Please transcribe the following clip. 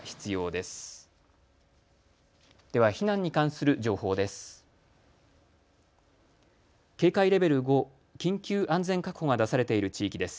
では避難に関する情報です。